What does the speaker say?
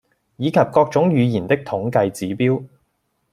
以及各種語言的統計指標